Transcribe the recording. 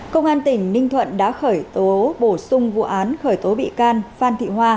công an tỉnh ninh thuận đã khởi tố bổ sung vụ án khởi tố bị can phan thị hoa